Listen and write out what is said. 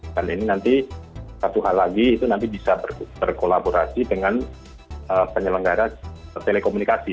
ini nanti satu hal lagi itu nanti bisa berkolaborasi dengan penyelenggara telekomunikasi